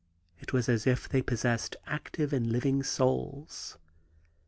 It was as if they possessed active and living souls.